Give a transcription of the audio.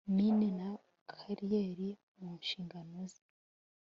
mine na kariyeri mu nshingano ze